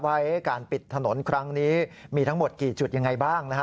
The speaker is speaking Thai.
ว่าการปิดถนนครั้งนี้มีทั้งหมดกี่จุดยังไงบ้างนะฮะ